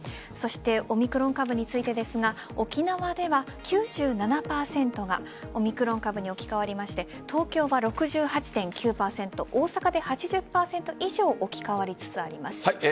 そしてオミクロン株についてですが沖縄では９７％がオミクロン株に置き換わりまして東京は６８．９％大阪で８０％以上置き換わりつつあります。